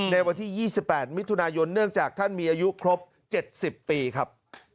ในวันที่๒๘มิถุนายนเนื่องจากท่านมีอายุครบ๗๐ปีครับ